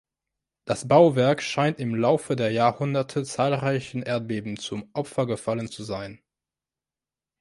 Das Bauwerk scheint im Laufe der Jahrhunderte zahlreichen Erdbeben zum Opfer gefallen zu sein.